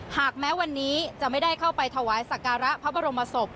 หากแม้วันนี้จะไม่ได้เข้าไปถวายสักการะพระบรมศพ